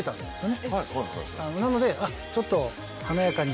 なのでちょっと。